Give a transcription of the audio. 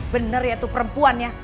bener ya tuh perempuannya